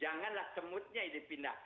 janganlah semutnya dipindahkan kita tahu kan ya